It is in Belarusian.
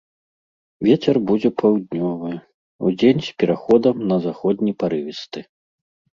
Вецер будзе паўднёвы, удзень з пераходам на заходні парывісты.